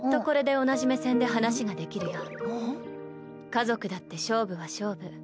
家族だって勝負は勝負。